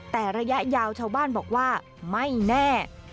แต่ระยะยาวชาวบ้านบอกว่าไม่แน่